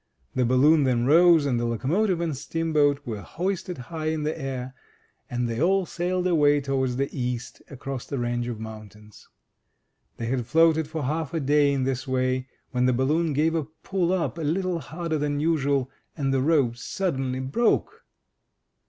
The balloon then rose, and the locomotive and steamboat were hoisted high in the air, and they all sailed away towards the East, across the range of mountains. They had floated for half a day in this way, when the balloon gave a pull up, a little harder than usual, and the rope suddenly broke!